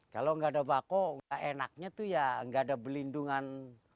kalau enggak ada bakau enaknya tuh ya enggak ada belindungan